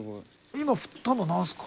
今振ったのは何すか？